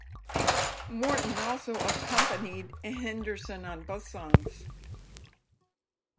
Morton also accompanied Henderson on both songs.